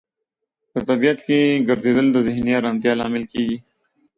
په طبیعت کې ګرځیدل د ذهني آرامتیا لامل کیږي.